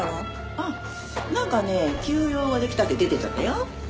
あっなんかね急用ができたって出てっちゃったよ。